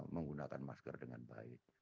menggunakan masker dengan baik